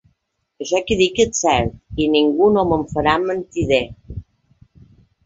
Això que dic és cert, i ningú no me'n farà mentider.